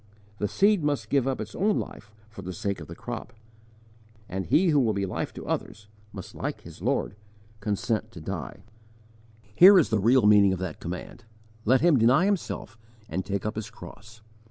The seed must give up its own life for the sake of the crop; and he who will be life to others must, like his Lord, consent to die. * Matt. xvi. 2 Tim. II. (Greek). 1 Pet. II. 21. Here is the real meaning of that command, "Let him deny himself and take up his cross."